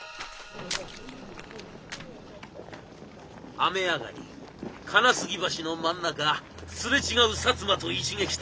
雨上がり金杉橋の真ん中擦れ違う摩と一撃隊